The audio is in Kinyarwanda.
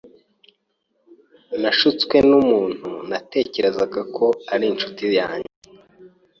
Nashutswe numuntu natekerezaga ko ari inshuti yanjye.